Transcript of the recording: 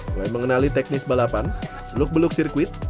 mulai mengenali teknis balapan seluk beluk sirkuit